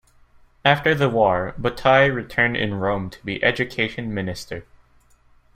After the war, Bottai returned in Rome to be Education Minister.